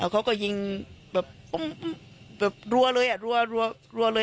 เขาก็ยิงแบบปุ้งแบบรัวเลย